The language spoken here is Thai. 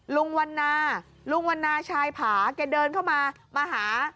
ลุงวันนาลุงวันนาชายผาแกเดินเข้ามามาหา